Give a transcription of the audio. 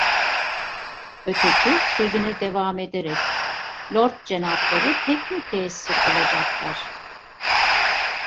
Öteki sözüne devam ederek: "Lord Cenapları pek müteessir olacaklar."